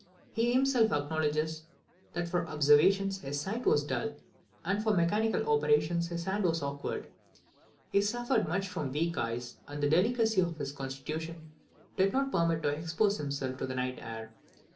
He himself acknowledges, "that for observations his sight was dull, and for mechanical operations his hand was awkward." He suffered much from weak eyes, and the delicacy of his constitution did not permit him to expose himself to the night air.